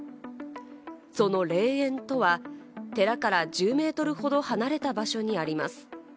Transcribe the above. その霊園とは、寺から１０ｍほど離れた場所にあります。